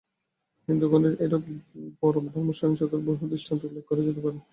হিন্দুগণের এইরূপ পরধর্মসহিষ্ণুতার বহু দৃষ্টান্ত উল্লেখ করা যাইতে পারে।